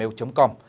xin chân thành